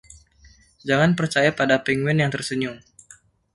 Jangan percaya pada penguin yang tersenyum.